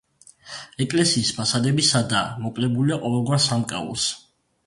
ეკლესიის ფასადები სადაა, მოკლებულია ყოველგვარ სამკაულს.